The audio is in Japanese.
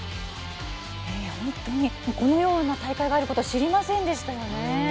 本当に、このような大会があること知りませんでしたよね。